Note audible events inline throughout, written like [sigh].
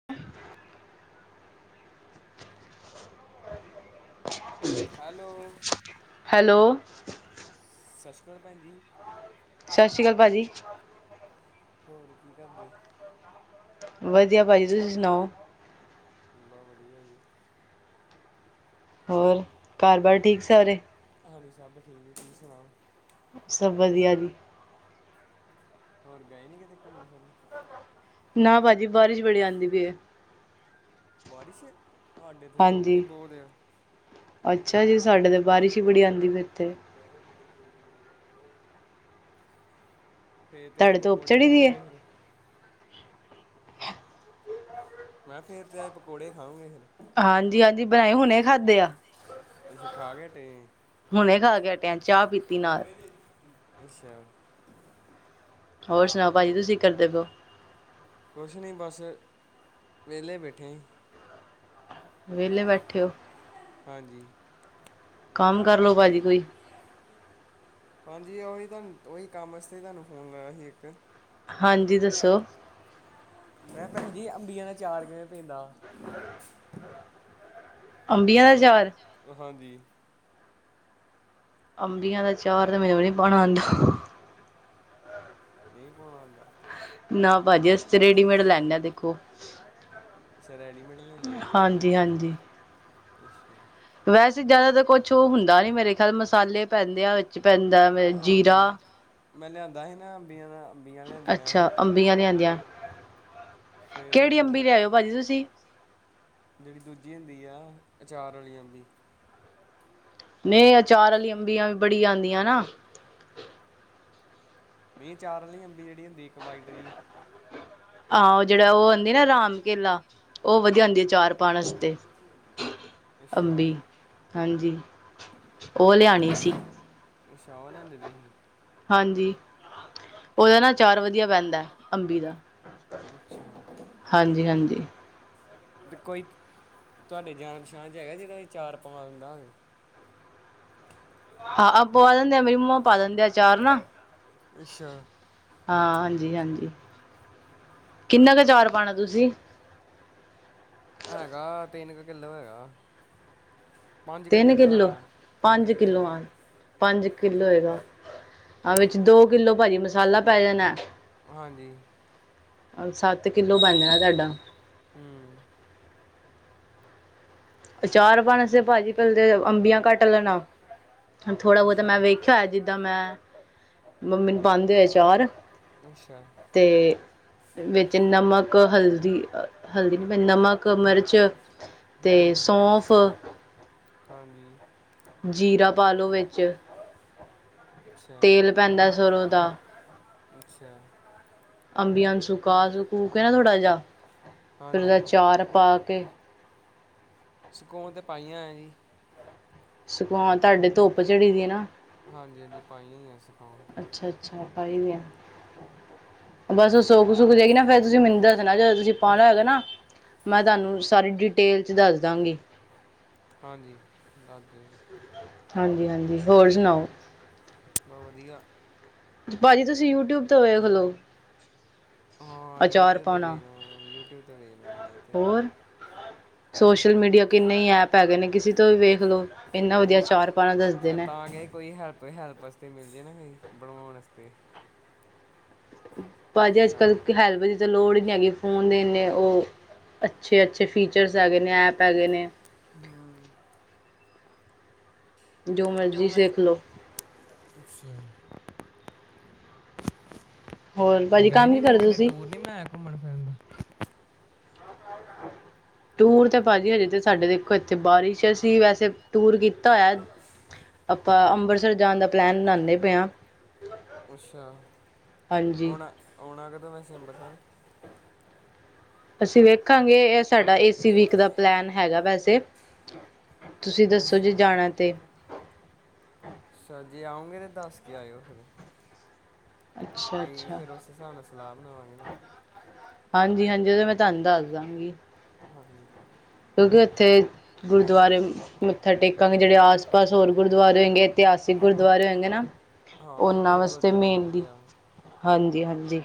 [unintelligible] [unintelligible] Hello hello ਸਤਿ ਸ਼੍ਰੀ ਅਕਾਲ, ਭੈਣ ਜੀ ਸਤਿ੍ ਸ੍ਰੀ ਅਕਾਲ, ਭਾਜੀ ਹੋਰ ਕੀ ਕਰਦੇ ਵਧੀਆ ਭਾਜੀ, ਤੁਸੀਂ ਸੁਣਾਓ ਬ ਵਧੀਆ ਜੀ ਹੋਰ, ਘਰ ਬਾਰ ਠੀਕ ਸਾਰੇ ਹਾਂਜੀ, ਸਭ ਠੀਕ ਤੁਸੀਂ ਸੁਣਾਓ ਸਭ ਵਧੀਆ ਜੀ ਹੋਰ ਗਏ ਨੀ ਕਿਤੇ, ਘੁੰਮਣ ਫਿਰਨ ਨਾ ਭਾਜੀ, ਬਾਰਿਸ਼ ਬੜੀ ਆਉਂਦੀ ਪਈ ਹੈ ਬਾਰਿਸ਼ ਐ, ਸਾਡੇ ਇੱਥੇ ਧੁੱਪ ਹਾਂਜੀ। ਹੀ ਬਹੁਤ ਐ। ਅੱਛਾ ਜੀ, ਸਾਡੇ ਤਾਂ ਬਾਰਿਸ਼ ਹੀ ਬੜੀ ਆਉਂਦੀ ਪਈ ਏਥੇ। [inaudible] ਫੇਰ ਤੇ ਅਜ, ਤੁਹਾਡੇ ਧੁੱਪ ਪਕੌੜੇ ਚੜੀ ਦੀ ਏ? ਖਾਉਂਗੇ ਫਿਰ ਮੈਂ ਫੇਰ ਤੇ ਅਜ, ਪਕੌੜੇ ਖਾਉਗੇ ਹੇ ਹਾਂਜੀ ਹਾਂਜੀ, ਬਣਾਏ, ਹੁਣੇ ਖਾਧੇ ਆ। ਅੱਛਾ ਖਾ ਕੇ ਹਟੇ ਆ। ਹੁਣੇ ਖਾ ਕੇ ਹਟੇ ਆ, ਚਾਹ ਪੀਤੀ ਨਾਲ। ਅੱਛਾ ਹੋਰ ਸੁਣਾਓ, ਭਾਜੀ ਤੁਸੀਂ ਕੀ ਕਰਦੇ ਪਏ ਔ। ਕੁਛ ਨਹੀਂ ਬਸ, ਵਿਹਲੇ ਬੈਠੇ ਐ। ਵਿਹਲੇ ਬੈਠੇ ਔ ਹਾਂਜੀ ਕੰਮ ਕਰਲੋ ਭਾਜੀ ਕੋਈ ਹਾਂਜੀ ਔ ਹੀ ਤੁਹਾਨੂੰ, ਔ ਹੀ ਕੰਮ ਵਾਸਤੇ ਹੀ ਤੁਹਾਨੂੰ ਫੋਨ ਲਾਇਆ ਸੀ, ਇੱਕ ਹਾਂਜੀ ਦੱਸੋ ਮੈਂ ਕਿਹਾ, ਭੈਣ ਜੀ ਅੰਬੀਆਂ ਦਾ ਚਾਰ ਕਿਵੇਂ ਪੈਂਦਾ। ਅੰਬੀਆਂ ਦਾ ਅਚਾਰ ਹਾਂਜੀ ਅੰਬਲੀਆਂ ਦਾ ਅਚਾਰ, ਤਾਂ ਮੈਨੂੰ ਵੀ ਨੀ ਪਾਣਾ ਆਂਦਾ। ਨਹੀਂ ਪਾਣਾ ਆਂਦਾ ਨਾ ਭਾਜੀ, ਅਸੀਂ ਤੇ ਰੇਡੀਮੇਡ ਲੈਂਨੇ ਆ, ਦੇਖੋ ਅੱਛਾ ਰੈਡੀਮੇਡ ਲਿਆਂਦੇ ਆ, ਹਾਂਜੀ ਹਾਂਜੀ ਅੱਛਾ ਵੈਸੇ ਜਿਆਦਾ ਤਾਂ ਕੁਛ ਉਹ ਹੁੰਦਾ ਨੀ, ਮੇਰੇ ਖਿਆਲ ਮਸਾਲੇ ਪੈਂਦੇ ਆ ਪੈਂਦਾ ਵੈ ਹਾਂਜੀ ਜੀਰਾ, ਮੈਂ ਲਿਆਂਦਾ ਸੀ ਨਾ ਅੰਬੀਆਂ ਦਾ ਅੰਬੀਆਂ ਲਿਆਂਦੀਆਂ ਸੀ। ਅੱਛਾ ਅੰ ਅਮਬੀਆਂ ਲਿਆਂਦੀਆਂ ਫੇਰ ਕਿਹੜੀ ਉਹਨੂੰ ਅੰਬੀ ਲਿਆਇਓ ਭਾਜੀ ਤੁਸੀਂ ਜਿਹੜੀ ਦੂਜੀ ਹੁੰਦੀ ਆ, ਅਚਾਰ ਵਾਲੀ ਅੰਬੀ ਨਹੀਂ ਅਚਾਰ ਵਾਲੀ ਅੰਬੀਆਂ ਵੀ ਬੜੀ ਆਉਂਦੀਆਂ ਨਾ ਮੀ ਚਾਰ ਵਾਲੀ ਅੰਬੀ ਜਿਹੜੀ ਹੁੰਦੀ, ਇੱਕ ਵਾਈਟ ਵੀ ਹਾਂ ਉਹ ਜਿਹੜਾ ਉਹ ਆਉਂਦੀ ਨਾ, ਰਾਮ ਕੇਲਾ, ਉਹ ਵਧੀਆ ਆਂਦੀ ਆ ਚਾਰ ਪਾਉਣ ਵਾਸਤੇ ਤੇ ਅੱਛਾ ਅੰਬੀ ਹਾਂਜੀ ਉਹ ਲਿਆਣੀ ਸੀ। ਅੱਛਾ ਉਹ ਲਿਆਂਦੇ ਰਹੇ ਸੀ। ਹਾਂਜੀ ਉਹਦਾ ਨਾ ਅਚਾਰ ਵਧੀਆ ਪੈਂਦਾ ਅੰਬੀ ਦਾ ਅੱਛਾ। ਹਾਂਜੀ-ਹਾਂਜੀ। ਤੇ ਕੋਈ ਤੁਹਾਡੀ ਜਾਣ-ਪਛਾਣ ਚ ਹੈਗਾ ਜਿਹੜਾ ਵੀ ਅਚਾਰ ਪਵਾ ਦਿੰਦਾ ਹੋਵੇ। ਹਾਂ ਪਵਾ ਦਿੰਦੇ ਆ ਮੇਰੀ ਮੰਮਾ ਪਾ ਦਿੰਦੇ ਅਚਾਰ ਨਾ ਅੱਛਾ। ਹਾਂ ਹਾਂਜੀ-ਹਾਂਜੀ ਕਿੰਨਾ ਕੁ ਅਚਾਰ ਪਾਣਾ ਤੁਸੀ? ਹੈਗਾ ਤਿੰਨ ਕੁ ਕਿੱਲੋ ਹੈਗਾ। ਪੰਜ ਕੇ ਕਿੱਲੋ ਹੈਗਾ ਪੰਜ ਕੇ ਕਿੱਲੋ ਪੰਜ ਕਿੱਲੋ ਹੈਗਾ ਹਾਂ ਵਿੱਚ ਦੋ ਕਿੱਲੋ ਪਾਜੀ ਮਸਾਲਾ ਪੈ ਜਾਣਾ। ਹਾਂਜੀ। ਸੱਤ ਕਿੱਲੋ ਬਣ ਜਾਣਾ ਤਾਡਾ ਹੂੰ। ਅਚਾਰ ਪਾਣ ਆਸੇ ਪਾਜੀ ਪਹਿਲੇ ਅੰਬੀਆਂ ਕੱਟ ਲੈਣਾ। ਥੋੜਾ-ਬਹੁਤਾ ਅੱਛਾ। ਮੈਂ ਵੇਖਿਆ ਹੋਇਆ ਜਿੱਦਾਂ ਮੈਂ ਮੰਮੀ ਨੂੰ ਪਾਂਦੇ ਹੋਏ। ਤੇ ਹੋਰ ਅੱਛਾ, ਵਿੱਚ ਨਮਕ, ਹਲਦੀ ਹਲਦੀ ਨੀ ਪੈਨੀ ਨਮਕ, ਮਿਰਚ ਤੇ ਹੂੰ। ਸੌਂਫ ਹਾਂਜੀ। ਜੀਰਾ ਪਾ ਲੋ ਵਿੱਚ ਅੱਛਾ, ਤੇਲ ਪੈਂਦਾ ਸਰੋਂ ਦਾ ਅੱਛਾ। ਅੰਬੀਆਂ ਨੂੰ ਸੁਕਾ-ਸੁੂਕੇ ਨਾ ਥੋੜਾ ਜਿਹਾ ਫਿਰ ਉਹਦਾ ਹਾਂਜੀ। ਚਾਰ ਪਾ ਕੇ ਸਕੂਨ ਤਾਂ ਪਾਈਆਂ ਹੈ ਜੀ। ਸਕੋਨ ਤੁਹਾਡੇ ਧੁੱਪ ਚੜੀ ਦੀ ਈ ਏ ਨਾ ਹਾਂਜੀ-ਹਾਂਜੀ ਪਾਈਆਂ ਹੋਈਆਂ ਸਿਕੋਣ ਤੇ ਅੱਛਾ ਅੱਛਾ ਪਾਈ ਦੀਆਂ। ਬਸ ਉਹ ਸੁੱਕ-ਸੁੱਕ ਜਾਦੇਗੀ ਨਾ ਫੇਰ ਤੁਸੀਂ ਮੈਨੂੰ ਦੱਸਣਾ ਜਦੋਂ ਤੁਸੀਂ ਪਾਣਾ ਹੈਏਗਾ ਨਾ ਮੈਂ ਤੁਹਾਨੂੰ ਸਾਰੀ ਡਿਟੇਲ ਚ ਦੱਸ ਦਾਂਗੀ। ਹਾਂਜੀ ਦੱਸ ਦਿਓ ਜੀ। ਹਾਂਜੀ-ਹਾਂਜੀ ਹੋਰ ਸੁਣਾਓ ਬਾ ਵਧੀਆ। ਪਾਜੀ ਤੁਸੀਂ ਯੂ ਟਿਊਬ ਤੋਂ ਵੇਖਲੋ। ਹਾਂ ਯੂਟਿਊਬ ਤੋਂ ਪਾਉਣਾ ਵੇਖ ਲ ਯੂਟਿਊਬ ਤੋਂ ਵੇਖ ਲਾਂਗੇ। ਹੋਰ ਸੋਸ਼ਲ ਮੀਡੀਆ ਕਿੰਨੇ ਹੀ ਐਪ ਹੈਗੇ ਨੇ ਕਿਸੇ ਤੋਂ ਵੀ ਵੇਖ ਲੋ। ਨਹੀਂ ਮੈਂ ਤਾਂ ਕਿਹਾ ਸੀ ਕੋਈ ਹੈਲਪ ਹੈਲਪ ਆਸਤੇ ਮਿਲ ਜੇ ਨਾ ਕੋਈ ਬਣੋਣ ਆਸਤੇ। ਪਾਜੀ ਤਾਂ ਅੱਜ-ਕੱਲ੍ਹ ਹੈਲਪ ਦੀ ਤਾਂ ਲੋੜ ਹੀ ਨਹੀਂ ਹੈਗੀ ਫੋਨ ਦੇ ਇੰਨੇ ਉਹ ਅੱਛੇ-ਅੱਛੇ ਫੀਚਰਸ ਹੈਗੇ ਨੇ ਐਪ ਹੈਗੇ ਨੇ। ਹਾਂ। ਜੋ ਮਰਜ਼ੀ ਸਿੱਖ ਲੋ। ਅੱਛਾ। ਹੋਰ ਭਾਜੀ ਗਏ ਕੰਮ ਨੀ ਕੀ ਫੇਰ ਕਰਦੇ ਕਿਤੇ ਤੁਸੀਂ? ਟੂਰ ਨੀ ਬਨਾਇਆ ਘੁੰਮਣ ਫਿਰਨ ਦਾ [inaudible] ਟੂਰ ਤੇ ਪਾਜੀ ਹਜੇ ਤੇ ਸਾਡੇ ਦੇਖੋ ਇੱਥੇ ਬਾਰਿਸ਼ ਏ ਅਸੀਂ ਵੈਸੇ ਟੂਰ ਕੀਤਾ ਹੋਯਾ। ਆਪਾਂ ਅੰਬਰਸਰ ਜਾਣ ਦਾ ਪਲੈਨ ਬਣਾਣੇ ਪਏ ਹਾਂ। ਅੱਛਾ ਹਾਂਜੀ। ਔਣਾ ਔਣਾ ਕਦੋਂ ਵੈਸੇ ਅੰਬਰਸੱਰ ਅਸੀਂ ਵੇਖਾਂਗੇ ਇਹ ਸਾਡਾ ਏਸੀ ਵੀਕ ਦਾ ਪਲੈਨ ਹੈਗਾ ਵੈਸੇ ਤੁਸੀਂ ਦੱਸੋ ਜੇ ਅੱਛਾ ਜਾਣਾ ਤੇ ਅੱਛਾ ਜੇ ਆਓਂਂਗੇ ਤੇ ਦੱਸ ਕੇ ਆਇਓ ਫਿਰ ਅੱਛਾ ਅਹੀ ਵੀ ਅੱਛਾ ਫੇਰ ਉਸੇ ਹਿਸਾਬ ਨਾਲ ਸਲਾਹ ਬਣਾਵਾਂਗੇ ਨਾ। ਹਾਂਜੀ -ਹਾਂਜੀ ਉਹਦੇ ਮੈਂ ਤੁਹਾਨੂੰ ਦੱਸ ਦਵਾਂਗੀ ਹਾਂਜੀ ਕਿਉਂਕਿ ਉੱਥੇ, ਗੁਰਦੁਆਰੇ ਮੱਥਾ ਟੇਕਾਂਗੇ ਜਿਹੜੇ ਆਸ- ਪਾਸ ਹੋਰ ਗੁਰਦੁਆਰੇ ਹੈਗੇ ਇਤਿਹਾਸਿਕ ਗੁਰਦੁਆਰੇ ਹੋਗੇ ਨਾ ਹਾਂ ਇੱਥੇ ਉਹਨਾਂ ਤਾਂ ਵਾਸਤੇ ਗੁਰਦੁਆਰੇ ਮੇਨ ਬਹੁਤ ਦੀ, ਆ ਹਾਂਜੀ -ਹਾਂਜੀ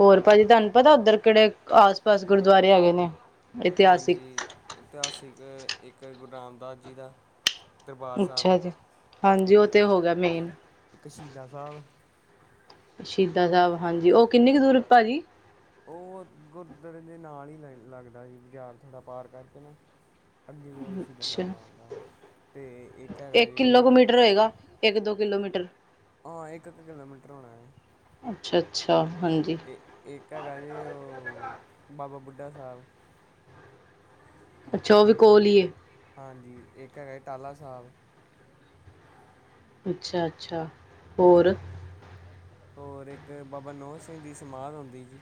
ਹੋਰ ਭਾਜੀ ਤੁਹਾਨੂੰ ਪਤਾ ਉੱਧਰ ਕਿਹੜੇ ਆਸ -ਪਾਸ ਗੁਰਦੁਆਰੇ ਹੈਗੇ ਨੇ ਇਤਿਹਾਸਿਕ ਹਾਂਜੀ, ਇਤਿਹਾਸਿਕ ਇੱਕ ਗੁਰੂ ਰਾਮਦਾਸ ਜੀ ਦਾ ਦਰਬਾਰ ਸਾਹਿਬ ਅੱਛਾ ਜੀ, ਹਾਂਜੀ ਉਹ ਤਾਂ ਹੋ ਗਿਆ ਮੇਨ ਇੱਕ ਸ਼ਹੀਦਾ ਸਾਹਿਬ ਸ਼ਹੀਦਾ ਸਾਹਿਬ ਹਾਂਜੀ ਉਹ ਕਿੰਨੀ ਕੁ ਦੂਰ ਭਾਜੀ ਉਹ ਗੁਰਦੁਅਰੇ ਦੇ ਨਾਲ ਹੀ ਲ ਲੱਗਦਾ ਸੀ ਬਾਜ਼ਾਰ ਥੋੜ੍ਹਾ ਪਾਰ ਕਰਕੇ ਨਾ ਅੱਗੇ ਜਿ ਅੱਛਾ ਸਾਹਿਬ ਆਣਦਾ ਅਤੇ ਇੱਕ ਹੈਗਾ ਜੇ ਹੋਏਗਾ ਇੱਕ- ਦੋ ਕਿਲੋਮੀਟਰ ਹਾਂ ਇੱਕ ਕ ਕਿਲੋਮੀਟਰ ਹੋਣਾ ਹੈ ਅੱਛਾ- ਅੱਛਾ, ਹਾਂਜੀ ਤੇ ਇੱਕ ਹੈਗਾ ਜੀ ਉਹ ਬਾਬਾ ਬੁੱਢਾ ਸਾਹਿਬ ਅੱਛਾ ਉਹ ਵੀ ਕੋਲ ਹੀ ਏ ਹਾਂਜੀ ਇੱਕ ਹੈਗਾ ਟਾਲਾ ਸਾਹਿਬ ਅੱਛਾ, ਅੱਛਾ ਹੋਰ ਹੋਰ ਇੱਕ ਬਾਬਾ ਨੋਜ ਸਿੰਘ ਦੀ ਸਮਾਧ ਹੁੰਦੀ ਜੀ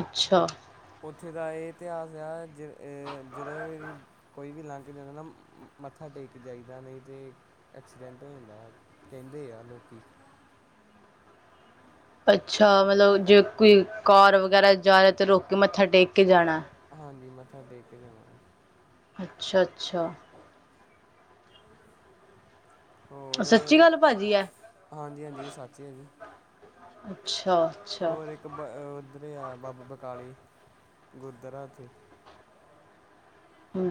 ਅੱਛਾ ਉੱਥੇ ਦਾ ਇਹ ਇਤਿਹਾਸ ਆ ਜ ਜਦੋਂ ਵੀ ਕੋਈ ਵੀ ਲੰਘ ਕੇ ਜਾਂਦਾ ਨਾ ਮੱਥਾ ਟੇਕ ਜਾਈਦਾ ਨਹੀਂ ਤੇ ਐਕਸੀਡੈਂਟ ਹੋ ਜਾਂਦਾ, ਕਹਿੰਦੇ ਆ ਲੋਕੀ ਅੱਛਾ, ਮਤਲਬ ਜੇ ਕੋਈ ਕਾਰ ਵਗੈਰਾ ਜਾਏ ਤੇ ਰੋ ਕੇ ਮੱਥਾ ਟੇਕ ਕੇ ਜਾਣਾ ਹਾਂਜੀ ਮੱਥਾ ਟੇਕ ਕੇ ਜਾਣਾ ਵ ਅੱਛਾ, ਅੱਛਾ ਹੋਰ, ਸੱਚੀ ਗੱਲ ਭਾਜੀ ਹੈ ਹਾਂਜੀ -ਹਾਂਜੀ ਸੱਚ ਹੀ ਹੈ ਜੀ ਅੱਛਾ, ਅੱਛਾ ਹੋਰ ਇੱਕ ਬ ਉੱਧਰ ਹੀ ਆ ਬਾਬਾ ਬਕਾਲੇ, ਗੁਰਦੁਆਰਾ ਉੱਥੇ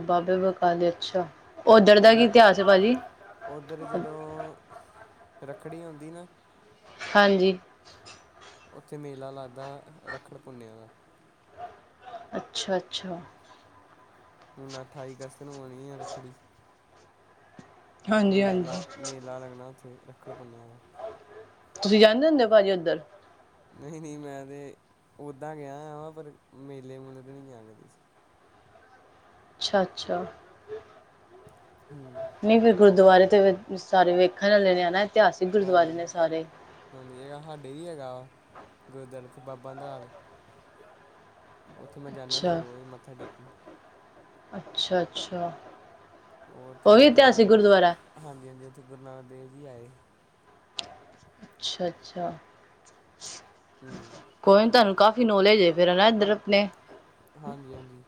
ਬਾਬੇ ਬਕਾਲੀ ਅੱਛਾ, ਉਧਰ ਦਾ ਕੀ ਜਦੋਂ ਇਤਿਹਾਸ ਹੈ ਭਾਜੀ ਉੱਧਰ ਜਦੋਂ, ਰੱਖੜੀ ਆਉਂਦੀ ਨਾ ਹਾਂਜੀ ਉੱਥੇ ਮੇਲਾ ਲੱਗਦਾ ਰੱਖੜ ਪੁੰਨਿਆ ਦਾ ਅੱਛਾ, ਅੱਛਾ ਹੁਣ ਅਠਾਈ ਅਗਸਤ ਨੂੰ ਆਉਣੀ ਹੈ ਰੱਖੜੀ, ਉਹਦਾ ਹਾਂਜੀ ਮੇਲਾ ਹਾਂਜੀ ਮੇ ਲਾ ਲੱਗਣਾ, ਉਥੇ ਰੱਖੜ ਪੁੰਨਿਆ ਵ ਤੁਸੀ ਜਾਂਦੇ ਹੁੰਦੇ ਹੋ ਭਾਜੀ ਉਧਰ- ਨਹੀ- ਨਹੀ ਮੈ ਤੇ ਓਦਾਂ ਗਿਆ ਵਾ ਪਰ ਮੇਲੇ ਮੂਲੇ ਤੇ ਨਹੀ ਗਿਆ ਕਦੀ ਅਛਾ- ਅਛਾ- ਹੂੰ - ਨਹੀ ਫਿਰ ਗੁਰਦੁਆਰੇ ਤੇ ਸਾਰੇ ਵੇਖਣ ਵਾਲੇ ਨੇ ਇਤਿਹਾਸਿਕ ਗੁਰਦੁਆਰੇ ਨੇ ਸਾਰੇ ਹਾਂਜੀਗਾ ਹਲੇ ਵੀ ਹੈਗਾ ਵਾ ਗੁਰਦੁਆਰੇ ਤੇ ਬਾਬਾ ਟਲ ਉਥੇ ਮੈ ਜਾਂਦਾ ਨਾ ਰੋਜ਼ ਮੱਥਾ ਟੇਕਣ- ਅਛਾ- ਅਛਾ, ਉਹ ਉਹੀ ਉੱਥੇ ਗੁਰੂ ਇਤਿਹਾਸਿਕ ਨਾਨਕ ਗੁਰਦੁਆਰਾ। ਹਾਂਜੀ- ਹਾਂਜੀ ਉਥੇ ਗੁਰੂ ਨਾਨਕ ਦੇਵ ਜੀ ਆਏ। ਅਛਾ- ਅਛਾ- ਹੂੰ - ਕੋਈ ਨੀ ਤੁਹਾਨੂੰ ਕਾਫੀ ਨੌਲੇਜ ਹੈ ਫੇਰ ਨਾ ਇੱਧਰ ਆਪਣੇ- ਹਾਂਜੀ- ਹਾਂਜੀ-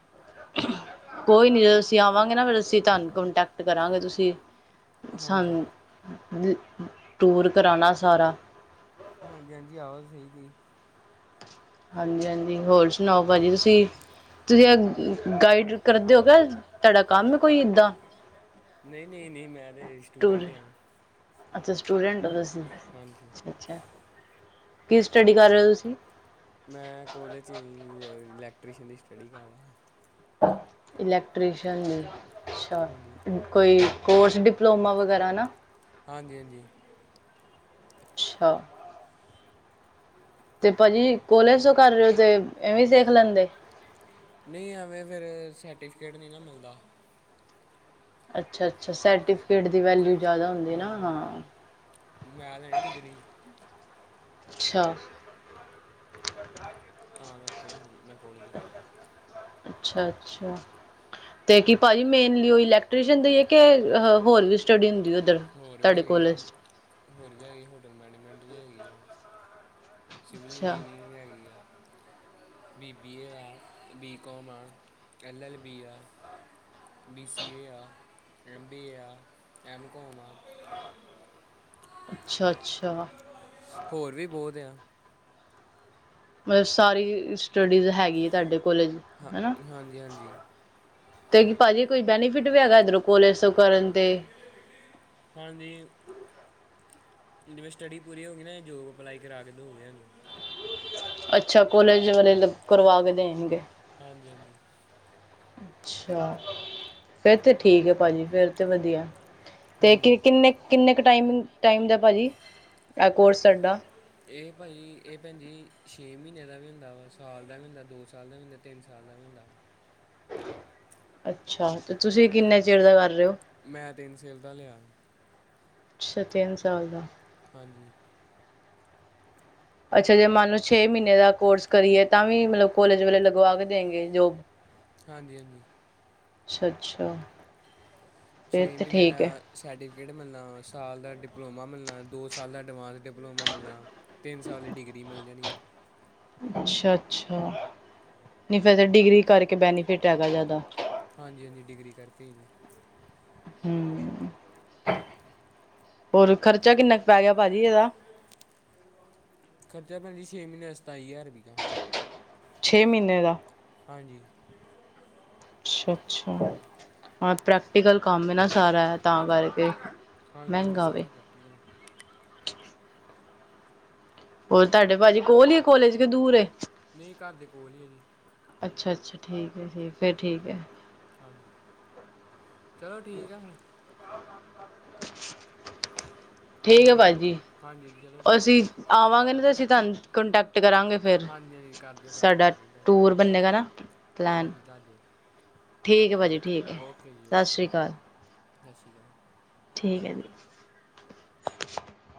ਕੋਈ ਨੀ ਜੋ ਅਸੀ ਆਵਾਂਗੇ ਨਾ ਫੇਰ ਅਸੀ ਤੁਹਾਨੂੰ ਕੰਟੈਕਟ ਕਰਾਂਗੇ ਤੁਸੀ ਹਾਂਜੀ ਸਾਨੂੰ ਟੂਰ ਕਰਾਉਣਾ ਸਾਰਾ- ਹਾਂਜੀ ਹਾਂਜੀ ਆਵਾਜ਼ ਸਹੀ ਸੀ ਹਾਂਜੀ ਹਾਂਜੀ ਹੋਰ ਸੁਣਾਓ ਭਾਜੀ ਤੁਸੀਂ ਤੁਸੀਂ ਗਾਈਡ ਕਰਦੇ ਹੋ ਕ ਤੁਹਾਡਾ ਕੰਮ ਕੋਈ ਏਦਾਂ ਨਹੀ- ਨਹੀ- ਨਹੀ ਮੈਂ ਤੇ ਸਟੂਡੈਂਟ ਹਾਂ। ਅਛਾ ਸਟੂਡੈਟ ਹੋ ਤੁਸੀ ਹਾਂਜੀ ਅੱਛਾ- ਅੱਛਾ ਕੀ ਸਟੱਡੀ ਕਰ ਰਹੇ ਹੋ ਤੁਸੀ ਮੈ ਕੋਲੇਜ ਇਲੈਕਟ੍ਰੀਸ਼ਨ ਦੀ ਸਟੱਡੀ ਕਰਦਾ ਇਲੈਕਟ੍ਰੀਸ਼ਅਨ ਦੀ ਹਾਂਜੀ ਅਛਾ- ਕੋਈ ਕੋਰਸ ਡਿਪਲੋਮਾ ਵਗੈਰਾ ਨਾ- ਹਾਂਜੀ -ਹਾਂਜੀ- ਅਛਾ- ਤੇ ਭਾਜੀ ਕੋਲੇਜ ਤੋ ਕਰ ਰਹੇ ਹੋ ਤੇ ਇਵੇ ਸਿੱਖ ਲੈਦੇ ਨਹੀ ਐਵੇ ਫਿਰ ਸਰਟੀਫਿਕੇਟ ਨਹੀ ਨਾ ਮਿਲਦਾ ਅਛਾ ਅਛਾ ਸਰਟੀਫਿਕੇਟ ਦੀ ਵੈਲਿਊ ਜ਼ਿਆਦਾ ਹੁੰਦੀ ਨਾ ਹਾਂ ਮੈ ਤਾਂ ਹ ਨ ਡਿੱਗਰੀ- ਅਛਾ- ਤਾਂ ਕਰਕੇ ਮੈ ਕੋਲੇਜ ਲਣਾ- ਅਛਾ- ਅਛਾ ਤੇ ਕੀ ਭਾਜੀ ਮੇਨਲੀ ਉਹ ਇਲੈਕ ਟਿਊਸ਼ਨ ਦੇਈਏ ਕਿ ਹੋਰ ਵੀ ਸਟੱਡੀ ਹੁੰਦੀ ਹੈ। ਉਧਰ ਹੋਰ ਵੀ ਤੁਹਾਡੇ ਹੈਗੀ ਆ ਕੋਲਜ ਹੋਰ ਵੀ ਹੈਗੀ ਹੋਟਲ ਮੈਨੇਜਮੈਂਟ ਵੀ ਹੈਗੀ ਆ ਸਿਵਲ ਅੱਛਾ ਇੰਜੀਨੀਅਰਿੰਗ ਹੈਗੀ ਆ- ਬੀ ਬੀ ਏ ਆ ਬੀ ਕੌਮ ਆ ਐੱਲ ਐੱਲ ਬੀ ਆ ਬੀ ਸੀ ਏ ਆ ਐਮ ਬੀਏ ਆ ਐਮਕੋਮ ਆ ਅੱਛਾ- ਅੱਛਾ- ਹੋਰ ਵੀ ਬਹੁਤ ਆ- ਮਤਲਬ ਸਾਰੀ ਸਟੱਡੀਜ਼ ਹੈਗੀ ਹੈ। ਤੁਹਾਡੇ ਕੋਲਜ ਹਾਂ ਹਨਾ ਹਾਂਜੀ- ਹਾਂਜੀ- ਤੇ ਕੀ ਭਾਅ ਜੀ ਕੋਈ ਬੈਨੀਫਿਟ ਵੀ ਹੈਗਾ ਇੱਧਰ ਕੋਲੇਜ ਤੋ ਕਰਨ ਤੇ ਹਾਂਜੀ- ਜਿਵੇ ਸਟੱਡੀ ਪੂਰੀ ਹੋ ਗਈ ਨਾ ਜੋਬ ਅਪਲਾਈ ਕਰਾ ਕੇ ਦੋਗ ਅਛਾ ਕੋਲੇਜ ਵਾਲੇ ਕਰਵਾ ਕੇ ਦੇਣਗੇ ਹਾਂਜੀ- ਹਾਂਜੀ- ਅਛਾ ਫੇਿਰ ਤੇ ਠੀਕ ਹੈ। ਭਾਜੀ ਫੇਰ ਤੇ ਵਧੀਆ। ਤੇ ਹਾਂਜੀ ਕਿਨੇ- ਕਿਨੇ ਕੁ ਟਾਈਮ ਟਾਈਮ ਦਾ ਭਾਜੀ ਆ ਕੋਰਸ ਤੁਹਾਡਾ ਇਹ ਭਾਈ ਇਹ ਭੈਣ ਜੀ ਛੇ ਮਹੀਨੇ ਦਾ ਵੀ ਹੁੰਦਾ ਵਾ ਸਾਲ ਦਾ ਵੀ ਹੁੰਦਾ ਦੋ ਸਾਲ ਦਾ ਵੀ ਹੁੰਦਾ ਤਿੰਨ ਸਾਲ ਦਾ ਵੀ ਜਾਂਦਾ ਅੱਛਾ ਤੇ ਤੁਸੀਂ ਕਿੰਨੇ ਚਿਰ ਦਾ ਕਰ ਰਹੇ ਹੋ ਮੈਂ ਤਿੰਨ ਸੇਲ ਦਾ ਲਿਆ ਅੱਛਾ ਤਿੰਨ ਸਾਲ ਦਾ ਹਾਂਜੀ ਅੱਛਾ ਜੇ ਮਨ ਨੂੰ ਛੇ ਮਹੀਨੇ ਦਾ ਕੋਰਸ ਕਰੀਏ ਤਾਂ ਵੀ ਮਤਲਬ ਕੋਲੇਜ ਵਾਲ ਲਗਵਾ ਕੇ ਦੇਗੇ ਜੋਬ ਹਾਂਜੀ ਹਾਂਜੀ ਅੱਛਾ ਅੱਛਾ ਫਿਰ ਛੇ ਤਾਂ ਮਨੇਰਾ ਠੀਕ ਹੈ ਸਰਟੀਫਿਕੇਟ ਮਿਲਣਾ ਸਾਲ ਦਾ ਡਿਪਲੋਮਾ ਮਿਲਣਾ ਦੋ ਸਾਲ ਦਾ ਐਡਵਾਂਸ ਡਿਪਲੋਮਾ ਮਿਲਣਾ ਤਿੰਨ ਸਾਲ ਦੀ ਡਿਗਰੀ ਮਿਲ ਜਾਣੀ ਅੱਛਾ ਅੱਛਾ ਨਹੀਂ ਫਿਰ ਫ ਡਿਗਰੀ ਕਰਕੇ ਬੈਨੀਫਿਟ ਹੈਗਾ ਜ਼ਿਆਦਾ ਹਾਂਜੀ ਹਾਂਜੀ ਡਿਗਰੀ ਕਰਕੇ ਜੀ ਹੂੰ, ਹੋਰ ਖਰਚਾ ਕਿੰਨਾ ਕ ਪੈਗਿਆ ਭਾਜੀ, ਇਹਦਾ? ਖਰਚਾ ਭੈਣਜੀ ਛੇ-ਮਹੀਨੇ ਦਾ, ਸਤਾਈ ਹਜ਼ਾਰ ਰਪਈਆ। ਛੇ ਮਹੀਨੇ ਦਾ? ਹਾਂਜੀ। ਅੱਛਾ-ਅੱਛਾ, ਹਾਂ, ਪ੍ਰੈਕਟੀਕਲ ਕੰਮ ਏ ਨਾ ਸਾਰਾ, ਤਾਂ ਕਰਕੇ। ਹਾਂਜੀ-ਹਾਂਜੀ, ਮਹਿੰਗਾ ਵੇ ਸਾਰਾ ਪ੍ਰੈਕਟੀਕਲ ਏ। ਹੋਰ ਤੁਹਾਡੇ ਭਾਜੀ ਕੋਲ ਹੀ ਕੋਲੇਜ, ਕੇ ਦੂਰ ਏ? ਨਹੀਂ ਘਰ ਦੇ ਕੋਲ ਹੀ ਆ ਜੀ। ਅੱਛਾ-ਅੱਛਾ, ਠੀਕ ਹੈ-ਠੀਕ ਐ, ਫਿਰ ਠੀਕ ਹੈ। ਹਾਂਜੀ, ਚਲੋ ਠੀਕ ਆ ਫਿਰ। [inaudible] ਠੀਕ ਹੈਲੋ ਐ ਭਾਜੀੱ, ਹਾਂਜੀ ਚਲੋ ਅਸੀਂ ਠੀਕ ਆਵਾਂਗੇ ਨਾ ਤਾਂ ਅਸੀਂ ਤੁਹਾਨੂੰ ਕੋਂਟੈਕਟ ਕਰਾਂਗੇ ਫਿਰ ਹਾਂਜੀ ਹਾਂਜੀ ਕਰ ਦਿਓ ਕਰ ਦਿਓ ਸਾਡਾ ਜ਼ਰੂਰ ਟੂਰ ਬੰਨੇਗਾ ਨਾ, ਪਲੈਨ। ਦਾਦੇ ਠੀਕ ਏ ਭਾਜੀ, ਠੀਕ ਏ। ਜੀ ਸਤਿ ਓਕੇ ਸ਼੍ਰੀ ਅਕਾਲ। ਸਤਿ ਸ਼੍ਰੀ ਅਕਾਲ। ਠੀਕ ਹੈ ਜੀ।